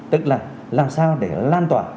tức là làm sao để lan tỏa